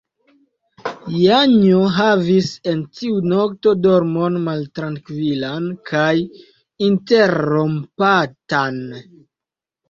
Janjo havis en tiu nokto dormon maltrankvilan kaj interrompatan.